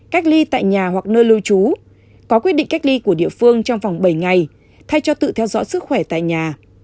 cách ly tại nhà hoặc nơi lưu trú có quyết định cách ly của địa phương trong vòng bảy ngày thay cho tự theo dõi sức khỏe tại nhà